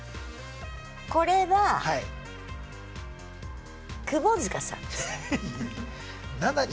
これは窪塚さんですね。